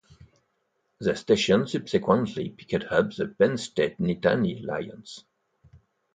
The station subsequently picked up the Penn State Nittany Lions.